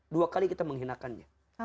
dua kali kita menghinakannya